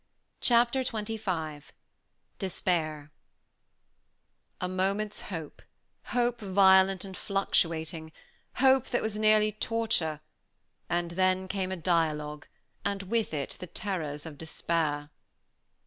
Chapter XXV DESPAIR A moment's hope, hope violent and fluctuating, hope that was nearly torture, and then came a dialogue, and with it the terrors of despair.